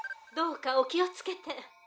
「どうかお気をつけて」